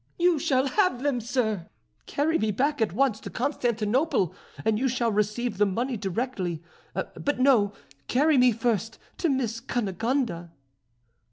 "You shall have them, sir. Carry me back at once to Constantinople, and you shall receive the money directly. But no; carry me first to Miss Cunegonde."